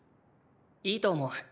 いいと思う。